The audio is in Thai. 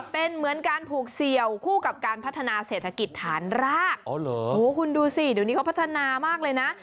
เป็นเหมือนการผูกเสี่ยวคู่กับการพัฒนาเศรษฐกิจฐานรากคุณดูสิเดี๋ยวนี้เขาพัฒนามากเลยนะ